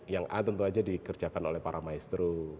yang a tentu saja dikerjakan oleh para maestro